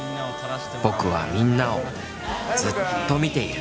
「ぼくはみんなをずっと見ている」